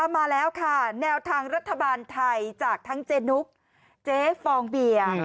มาแล้วค่ะแนวทางรัฐบาลไทยจากทั้งเจนุ๊กเจ๊ฟองเบียร์